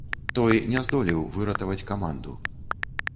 Той не здолеў выратаваць каманду.